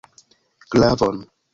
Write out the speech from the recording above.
Glavon!